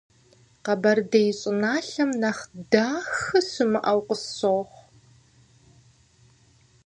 Къэбэрдей щӏыналъэм нэхъ дахэ щымыӏэу къысщохъу.